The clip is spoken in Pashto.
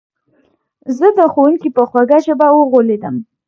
زه د ښوونکي په خوږه ژبه وغولېدم.